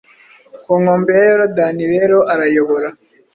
Ku nkombe ya Yorodani rero arayobora